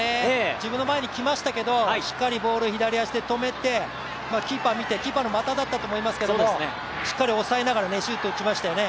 自分の前にきましたけどしっかりとボールを左足で止めてキーパーを見て、キーパーの股だったと思いますけれども、しっかり押さえながらシュートを打ちましたよね。